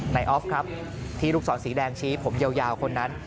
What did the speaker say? ออฟครับที่ลูกศรสีแดงชี้ผมยาวคนนั้น